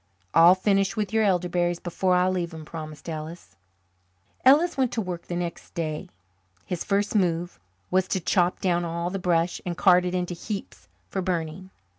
"I'll finish with your elderberries before I leave them," promised Ellis. Ellis went to work the next day. His first move was to chop down all the brush and cart it into heaps for burning.